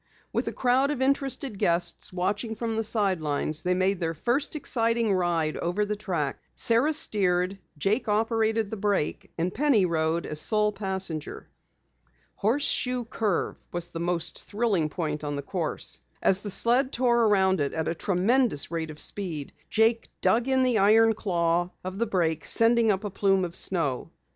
With a crowd of interested guests watching from the sidelines, they made their first exciting ride over the track. Sara steered, Jake operated the brake, and Penny rode as sole passenger. Horseshoe Curve was the most thrilling point on the course. As the sled tore around it at a tremendous rate of speed, Jake dug in the iron claw of the brake, sending up a plume of snow.